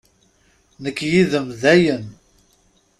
Nekk yid-m, dayen!